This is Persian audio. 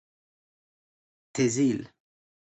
تزیل